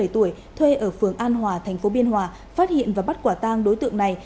ba mươi tuổi thuê ở phường an hòa thành phố biên hòa phát hiện và bắt quả tang đối tượng này